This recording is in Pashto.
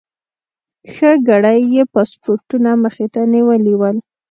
ښه ګړی یې پاسپورټونه مخې ته نیولي ول.